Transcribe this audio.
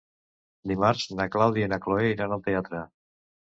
Dimarts na Clàudia i na Cloè iran al teatre.